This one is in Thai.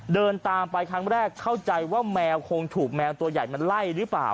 เดินตามไปครั้งแรกเข้าใจว่าแมวคงถูกแมวตัวใหญ่มันไล่หรือเปล่า